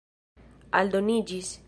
aldoniĝis